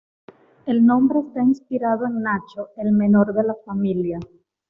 El nombre esta inspirado en "Nacho," el menor de la familia.